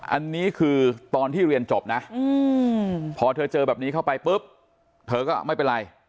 อันนี้คือตอนที่เรียนจบนะพอเธอเจอแบบนี้เข้าไปปุ๊บเธอก็ไม่เป็นไร